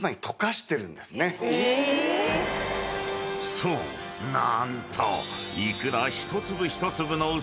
［そう。何と］